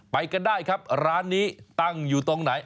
ไปกันได้ครับร้านนี้ตั้งอยู่ตรงไหน